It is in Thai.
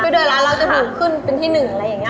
เดินร้านเราจะขึ้นเป็นที่หนึ่งอะไรแบบนี้